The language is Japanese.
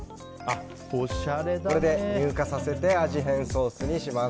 これで乳化させて味変ソースにします。